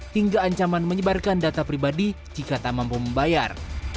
hingga ancaman menyebarkan data pribadi jika tak mampu membayar